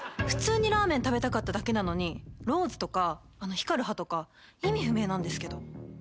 普通にラーメン食べたかっただけなのにローズとか光る歯とか意味不明なんですけど。